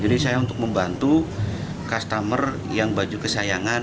jadi saya untuk membantu customer yang baju kesayangan